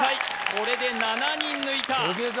これで７人抜いた土下座？